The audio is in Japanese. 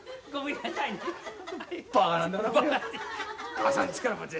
母さん力持ち。